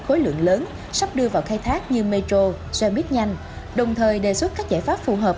khối lượng lớn sắp đưa vào khai thác như metro xe buýt nhanh đồng thời đề xuất các giải pháp phù hợp